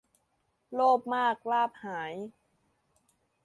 โลภมากลาภหาย